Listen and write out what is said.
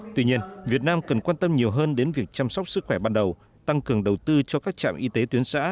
tuy nhiên việt nam cần quan tâm nhiều hơn đến việc chăm sóc sức khỏe ban đầu tăng cường đầu tư cho các trạm y tế tuyến xã